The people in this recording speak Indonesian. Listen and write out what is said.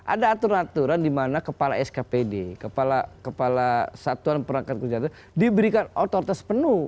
ada aturan aturan dimana kepala skpd kepala kepala satuan perangkat kerja diberikan otoritas penuh